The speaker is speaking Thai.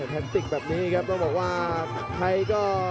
แทนติกแบบนี้ครับต้องบอกว่าใครก็